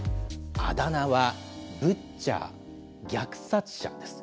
あだ名はブッチャー・虐殺者です。